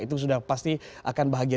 itu sudah pasti akan bahagia